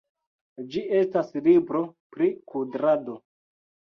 Ĝi estas libro pri kudrado.